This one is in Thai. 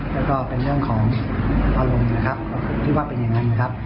แล้วก็เป็นเรื่องของอารมณ์นะครับที่ว่าเป็นอย่างนั้นนะครับ